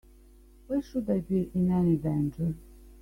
Why should I be in any danger?